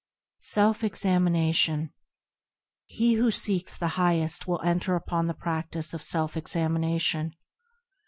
2. Self Examination He who seeks the Highest will enter upon the practice of Self Examination.